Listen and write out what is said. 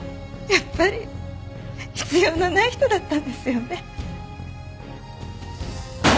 やっぱり必要のない人だったんですよね。